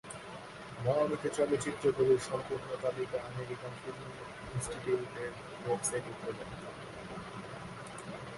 মনোনীত চলচ্চিত্রগুলির সম্পূর্ণ তালিকা আমেরিকান ফিল্ম ইনস্টিটিউটের ওয়েবসাইটে উপলব্ধ।